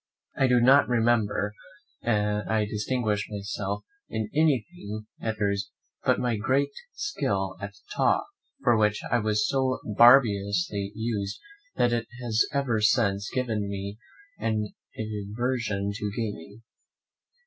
I do not remember that I distinguished myself in anything at those years but by my great skill at taw, for which I was so barbarously used that it has ever since given me an aversion to gaming.